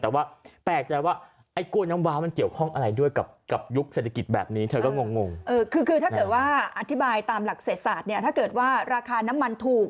แต่ว่าแปลกใจว่า